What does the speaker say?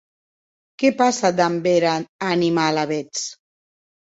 Qué passe damb era anima, alavetz?